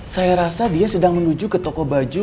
saya rasa dia sedang menuju ke toko baju